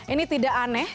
ini tidak aneh